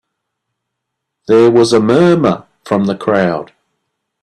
There was a murmur from the crowd.